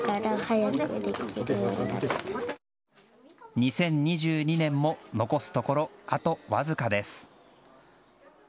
２０２２年も残すところ、あとわずかです。